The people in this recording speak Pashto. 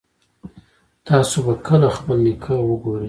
تاسو به کله خپل نیکه وګورئ